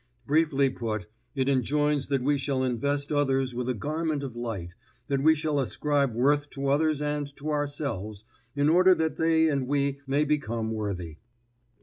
Briefly put, it enjoins that we shall invest others with a garment of light, that we shall ascribe worth to others and to ourselves, in order that they and we may become worthy.